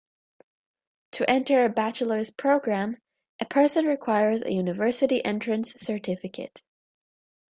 To enter a Bachelor's program, a person requires a University entrance certificate.